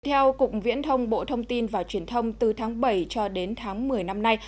theo cục viễn thông bộ thông tin và truyền thông từ tháng bảy cho đến tháng một mươi năm nay